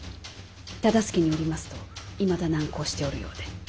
忠相によりますといまだ難航しておるようで。